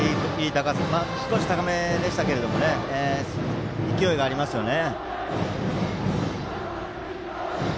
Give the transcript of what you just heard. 少し高めでしたけど勢いがありますよね。